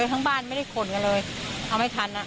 ทั้งบ้านไม่ได้ขนกันเลยเอาไม่ทันอ่ะ